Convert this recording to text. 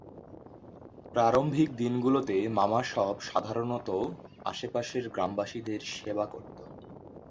প্রারম্ভিক দিনগুলোতে, মামা শপ প্রধানত আশেপাশের গ্রামবাসীদের সেবা করত।